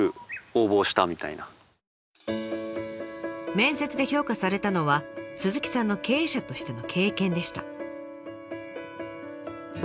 面接で評価されたのは鈴木さんの経営者としての経験でした。